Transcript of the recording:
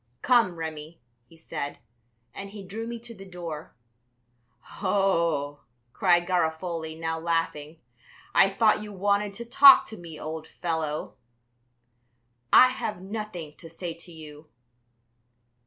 "Come, Remi," he said. And he drew me to the door. "Oh," cried Garofoli, now laughing, "I thought you wanted to talk to me, old fellow." "I have nothing to say to you."